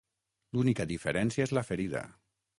L'única diferència és la ferida.